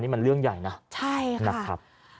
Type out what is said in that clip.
นี่มันเรื่องใหญ่นะนะครับ